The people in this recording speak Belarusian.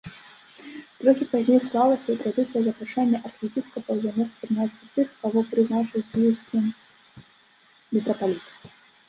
Трохі пазней склалася і традыцыя запрашэння архіепіскапаў замест прыняцця тых, каго прызначыў кіеўскі мітрапаліт.